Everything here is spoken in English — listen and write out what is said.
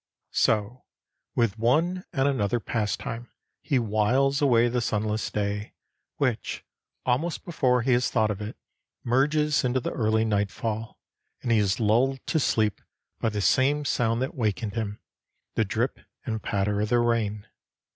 So, with one and another pastime, he whiles away the sunless day, which, almost before he has thought of it, merges into the early nightfall, and he is lulled to sleep by the same sound that wakened him, the drip and patter of the rain.